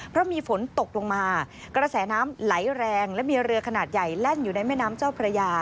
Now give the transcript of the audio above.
เพราะมีฝนตกลงมากระแสน้ำไหลแรงและมีเรือขนาดใหญ่แล่นอยู่ในแม่น้ำเจ้าพระยา